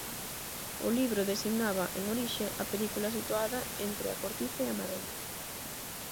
O libro designaba, en orixe, a película situada entre a cortiza e a madeira.